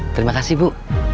terima kasih bu